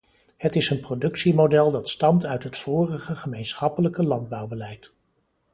Het is een productiemodel dat stamt uit het vorige gemeenschappelijke landbouwbeleid.